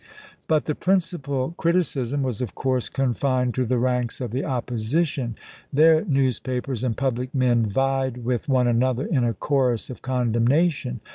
But the principal criticism was, of course, confined to the ranks of the opposi tion. Their newspapers and public men vied with one another in a chorus of condemnation.